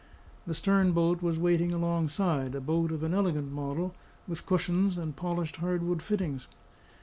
The stern boat was waiting alongside, a boat of an elegant model, with cushions and polished hard wood fittings.